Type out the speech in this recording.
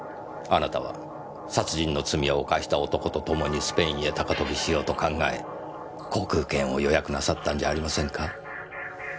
あなたは殺人の罪を犯した男とともにスペインへ高飛びしようと考え航空券を予約なさったんじゃありませんか？